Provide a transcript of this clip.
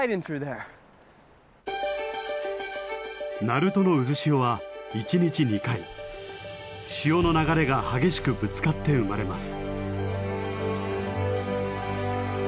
鳴門の「うず潮」は一日２回潮の流れが激しくぶつかって生まれます。